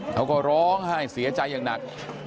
เขาก็ร้องไห้เสียใจอย่างหนัก